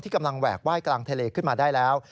กำลังแหวกไห้กลางทะเลขึ้นมาได้แล้ว